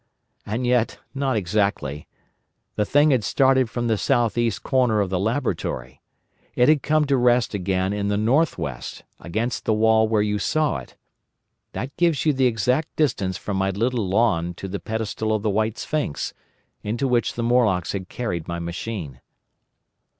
"And yet, not exactly! The thing had started from the south east corner of the laboratory. It had come to rest again in the north west, against the wall where you saw it. That gives you the exact distance from my little lawn to the pedestal of the White Sphinx, into which the Morlocks had carried my machine.